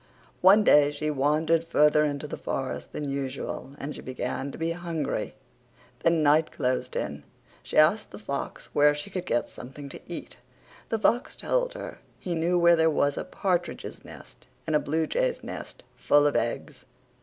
One day she wondered further into the forrest than usual and she begun to be hungry. Then night closed in. She asked a fox where she could get something to eat. The fox told her he knew where there was a partridges nest and a bluejays nest full of eggs.